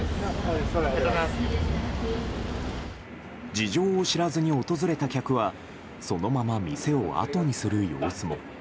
事情を知らずに訪れた客はそのまま店をあとにする様子も。